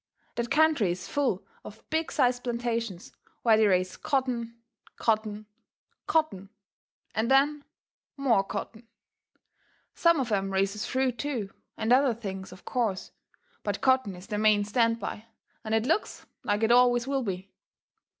That country is full of big sized plantations, where they raise cotton, cotton, cotton, and then MORE cotton. Some of 'em raises fruit, too, and other things, of course; but cotton is the main stand by, and it looks like it always will be.